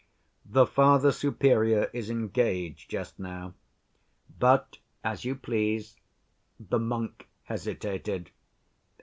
"The Father Superior is engaged just now. But as you please—" the monk hesitated.